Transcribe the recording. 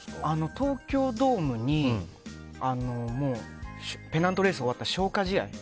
東京ドームにペナントレースが終わった消化試合。